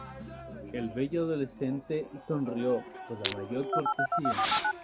el bello adolescente sonrió con la mayor cortesía: